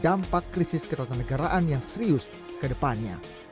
dampak krisis ketenteraan negaraan yang serius ke depannya